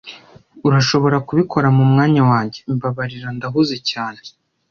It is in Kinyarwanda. "Urashobora kubikora mu mwanya wanjye?" "Mbabarira, ndahuze cyane."